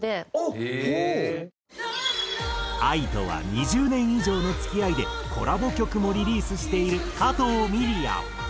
ＡＩとは２０年以上の付き合いでコラボ曲もリリースしている加藤ミリヤ。